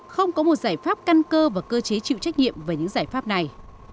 không có một giải pháp căn cơ và cơ chế chịu trách nhiệm về những giải pháp này